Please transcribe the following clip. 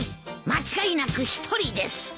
間違いなく一人です。